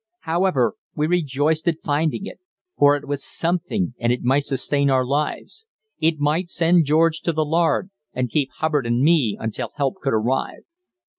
However, we rejoiced at finding it; for it was something and it might sustain our lives. It might send George to the lard, and keep Hubbard and me until help could arrive.